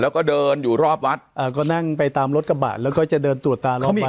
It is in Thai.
แล้วก็เดินอยู่รอบวัดก็นั่งไปตามรถกระบะแล้วก็จะเดินตรวจตาเราไป